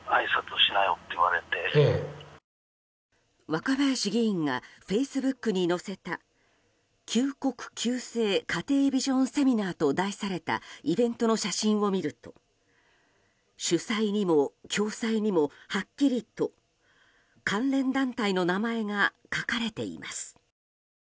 若林議員がフェイスブックに載せた「救国救世家庭ビジョンセミナー」と題されたイベントの写真を見ると主催にも共催にもはっきりと関連団体の名前が書かれています。